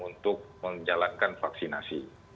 untuk menjalankan vaksinasi